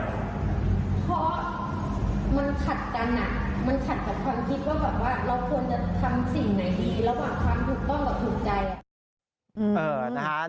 เพราะมันขัดกันมันขัดกับความคิดว่าแบบว่าเราควรจะทำสิ่งไหนดีระหว่างความถูกต้องกับถูกใจ